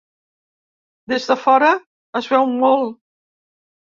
Des de fora es veu molt.